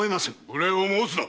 無礼を申すな！